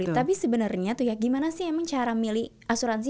tapi sebenarnya gimana sih cara milih asuransi